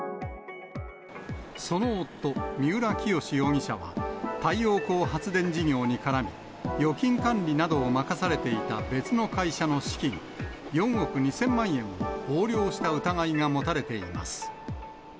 その夫、三浦清志容疑者は、太陽光発電事業に絡み、預金管理などを任されていた別の会社の資金４億２０００万円を横領した疑いが持たれています。